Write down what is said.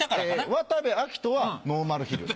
渡部暁斗はノーマルヒル。